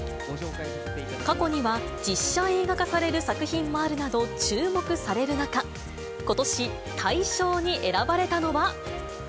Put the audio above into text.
過去には、実写映画化される作品もあるなど、注目される中、ことし大賞に選ばれたのは。